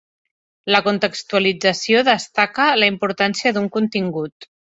La contextualització destaca la importància d'un contingut.